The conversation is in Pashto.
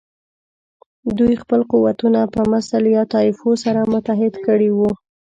دوی خپل قوتونه په مثل یا طایفو سره متحد کړي وو.